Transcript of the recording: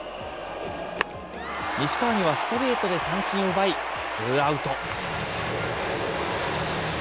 西川にはストレートで三振を奪い、ツーアウト。